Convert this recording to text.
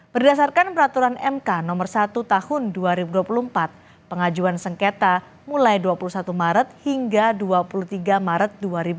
berdasarkan peraturan mk no satu tahun dua ribu dua puluh empat pengajuan sengketa mulai dua puluh satu maret hingga dua puluh tiga maret dua ribu dua puluh